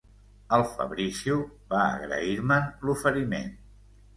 El Fabrizio va agrair-me'n l'oferiment.